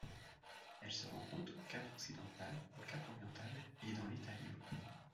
Elle se rencontre au Cap-Occidental, au Cap-Oriental et dans l'État-Libre.